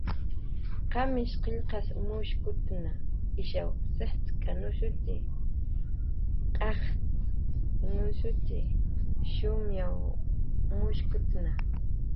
"Qamish qillqas mushkutna, ishaw jicx'k""anushutxi, qajcxnushutxi, shumayw qillqas uyunushu"